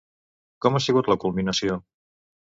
Com ha sigut la culminació?